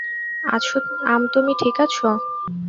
আম, তুমি ঠিক আছো?